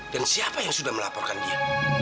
dan siapa yang sudah melaporkannya